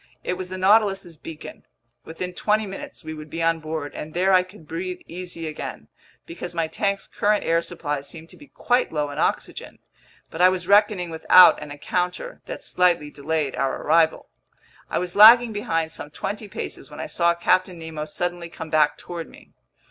It was the Nautilus's beacon. Within twenty minutes we would be on board, and there I could breathe easy again—because my tank's current air supply seemed to be quite low in oxygen. But I was reckoning without an encounter that slightly delayed our arrival. I was lagging behind some twenty paces when I saw Captain Nemo suddenly come back toward me.